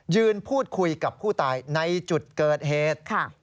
ยืนพูดคุยกับผู้ตายในจุดเกิดเหตุ